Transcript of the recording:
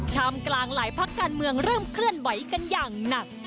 ทำกลางหลายพักการเมืองเริ่มเคลื่อนไหวกันอย่างหนัก